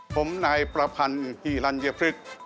ผมนายประพัณธ์หิลัณเยพริต